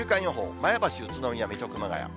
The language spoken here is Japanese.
前橋、宇都宮、水戸、熊谷。